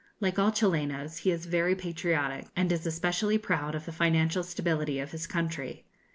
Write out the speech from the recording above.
Like all Chilenos, he is very patriotic, and is especially proud of the financial stability of his country.